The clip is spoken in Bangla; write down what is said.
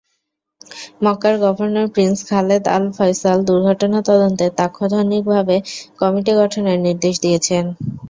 মক্কার গভর্নর প্রিন্স খালেদ আল-ফয়সাল দুর্ঘটনা তদন্তে তাৎক্ষণিকভাবে কমিটি গঠনের নির্দেশ দিয়েছেন।